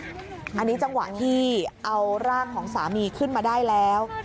อันนี้จังหวะที่เอาร่างของสามีขึ้นมาได้แล้ว